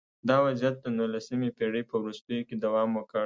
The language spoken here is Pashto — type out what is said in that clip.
دا وضعیت د نولسمې پېړۍ په وروستیو کې دوام وکړ